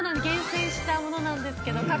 厳選したものなんですけど。